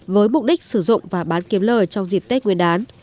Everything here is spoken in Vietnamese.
với mục đích sử dụng và bán kiếm lời trong dịp tết nguyên đán